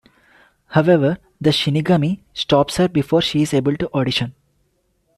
However, the "shinigami" stops her before she is able to audition.